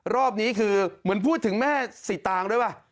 รอบนี้คือเหมือนพูดถึงแม่สีตางด้วยป่ะ